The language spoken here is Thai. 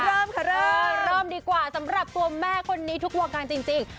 เริ่มค่ะเริ่มเริ่มดีกว่าสำหรับตัวแม่คนนี้ทุกวงการจริง